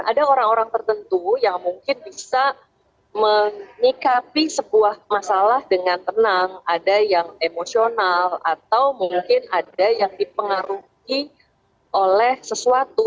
ada orang orang tertentu yang mungkin bisa menyikapi sebuah masalah dengan tenang ada yang emosional atau mungkin ada yang dipengaruhi oleh sesuatu